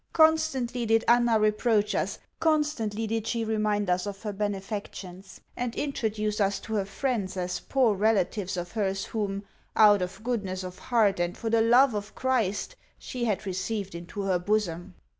Constantly did Anna reproach us; constantly did she remind us of her benefactions, and introduce us to her friends as poor relatives of hers whom, out of goodness of heart and for the love of Christ, she had received into her bosom.